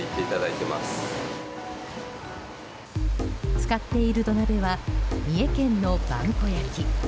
使っている土鍋は三重県の萬古焼。